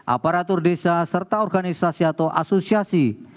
aparatur desa serta organisasi atau asosiasi